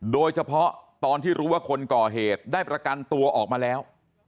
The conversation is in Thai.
โดยเฉพาะตอนที่รู้ว่าคนก่อเหตุได้ประกันตัวออกมาแล้ว